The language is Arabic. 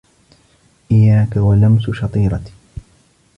إيّاك ولمس شطيرتي!